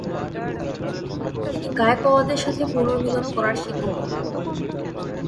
তিনি গায়কওয়াদের সাথে পুনর্মিলন করার সিদ্ধান্ত নেন।